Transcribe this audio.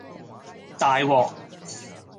大鑊